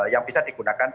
yang bisa digunakan